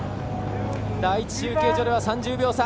第１中継所では３０秒差。